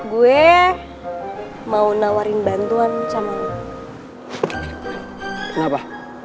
gue mau nawarin bantuan sama kenapa